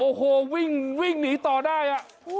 โอ้โหวิ่งหนีต่อได้